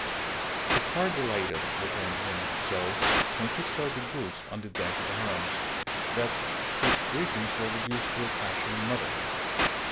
His heart dilated within him so, when he saw the Goulds on the deck of the Hermes, that his greetings were reduced to a casual mutter.